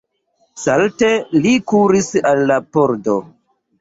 Salte li kuris al la pordo.